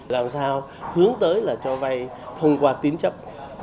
làm sao hướng tới là cho vay thông qua tín chấp